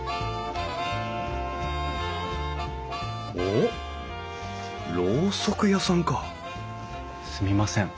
おっろうそく屋さんかすみません。